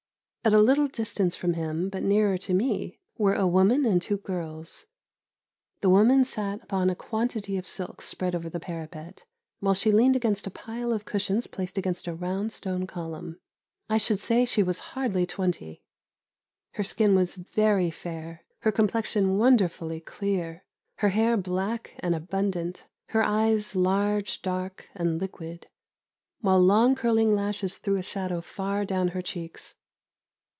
At a little distance from him, but nearer to me, were a woman and two girls. The woman sat upon a quantity of silks spread over the parapet, while she leaned against a pile of cushions placed against a round stone column. I should say she was hardly twenty. Her skin was very fair, her complexion wonderfully clear, her hair black and abundant, her eyes large, dark, and liquid, while long curling lashes threw a shadow far down her cheeks.